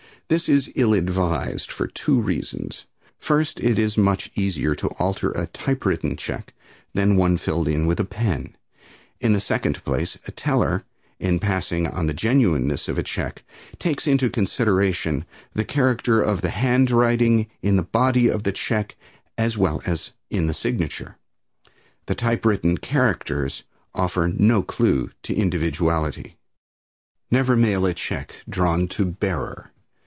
This is ill advised for two reasons: First, it is much easier to alter a typewritten check than one filled in with a pen; in the second place, a teller, in passing on the genuineness of a check, takes into consideration the character of the handwriting in the body of the check as well as in the signature. The typewritten characters offer no clue to individuality. Never mail a check drawn to "Bearer."